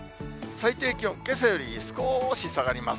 最低気温、けさより少し下がります。